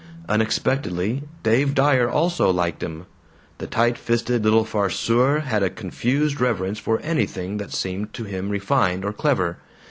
Unexpectedly, Dave Dyer also liked him. The tight fisted little farceur had a confused reverence for anything that seemed to him refined or clever.